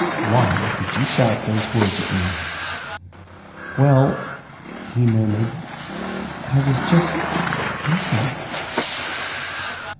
Why did you shout those words at me?" "Well," he murmured, "I was just thinking."